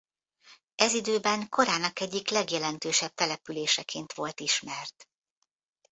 Ez időben korának egyik legjelentősebb településeként volt ismert.